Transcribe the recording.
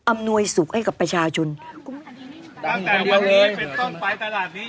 หน่วยสุขให้กับประชาชนตั้งแต่วันนี้เป็นต้นไปตลาดนี้